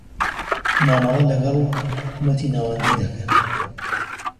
مامەڵە لەکەڵ حکومەتی ناوەندی دەکەن.